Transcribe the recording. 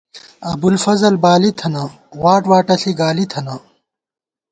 ابُوالفضل بالی تھنہ ، واٹ واٹہ ݪی ، گالی تھنہ